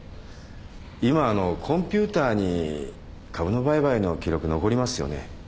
今はコンピューターに株の売買の記録残りますよね？